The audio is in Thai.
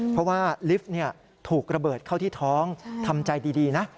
เพราะว่าลิฟต์ถูกระเบิดเข้าที่ท้องทำใจดีนะ